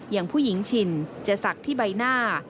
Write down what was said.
อย่างผู้หญิงฉินจะศักดิ์ที่ใบหน้า